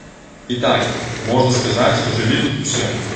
І так, можна сказаць, жылі тут усе.